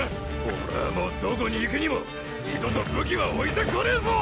俺はもうどこに行くにも二度と武器は置いてこねえぞ！